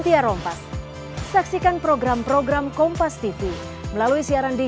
terima kasih pak anies dan bu ferry